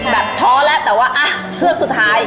ท้อแล้วแต่ว่าอ่ะเฮือกสุดท้าย